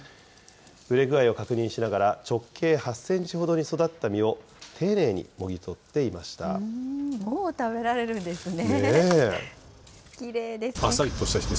熟れ具合を確認しながら、直径８センチほどに育った実を丁寧にももう食べられるんですね。